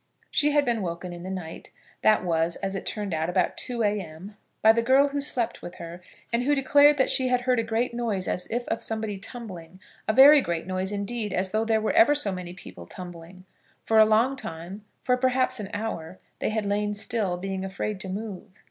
She had been woken in the night, that was, as it turned out, about 2 A.M., by the girl who slept with her, and who declared that she had heard a great noise, as of somebody tumbling, a very great noise indeed, as though there were ever so many people tumbling. For a long time, for perhaps an hour, they had lain still, being afraid to move.